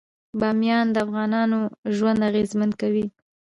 بامیان د افغانانو ژوند اغېزمن کوي.